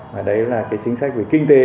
và đấy là chính sách về kinh tế